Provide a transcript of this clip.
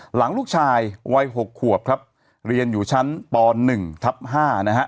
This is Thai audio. หลังลูกชายวัย๖ขวบครับเรียนอยู่ชั้นป๑ทับ๕นะฮะ